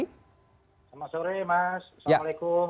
selamat sore mas assalamualaikum